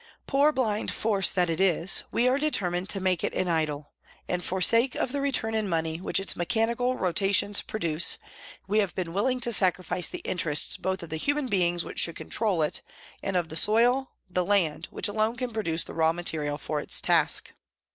Poor, blind force that it is, we are determined to make it an idol, and for sake of the return in money which its mechanical rotations produce, we have been willing to sacrifice the interests both of the human beings which should control it and of the soil, the land, which alone can produce the raw material for its task.